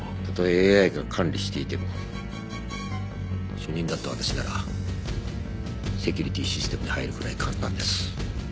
たとえＡＩが管理していても主任だった私ならセキュリティーシステムに入るくらい簡単です。